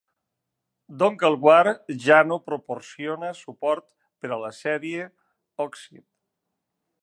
Dongleware ja no proporciona suport per a la sèrie "Oxyd".